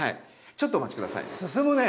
ちょっとお待ち下さいね。